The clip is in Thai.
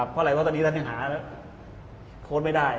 เพราะตอนนี้ท่านยังหาโค้ชไม่ได้